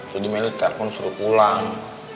jadi mending telepon suruh pulang